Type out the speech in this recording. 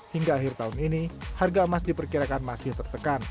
hingga akhir tahun ini harga emas diperkirakan masih tertekan